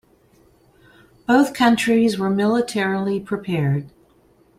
Both countries were militarily prepared.